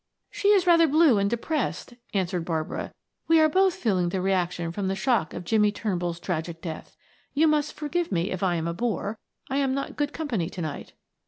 "She is rather blue and depressed," answered Barbara. "We are both feeling the reaction from the shock of Jimmie Turnbull's tragic death. You must forgive me if I am a bore; I am not good company to night."